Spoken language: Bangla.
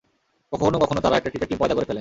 কখনো কখনো তারা একটা ক্রিকেট টিম পয়দা করে ফেলে।